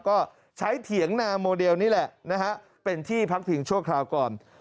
ก็ใช้เถียงนาโมเดลนี่แหละนะฮะเป็นที่พักผิงชั่วคราวก่อน